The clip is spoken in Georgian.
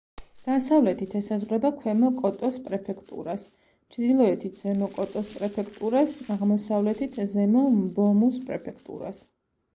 დასავლეთით ესაზღვრება ქვემო კოტოს პრეფექტურას, ჩრდილოეთით ზემო კოტოს პრეფექტურას, აღმოსავლეთით ზემო მბომუს პრეფექტურას.